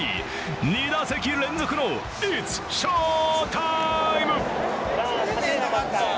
２打席連続のイッツ・翔タイム。